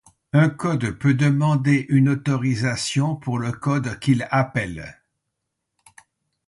Un code peut demander une autorisation pour le code qu'il appelle.